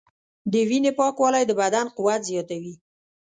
د وینې پاکوالی د بدن قوت زیاتوي.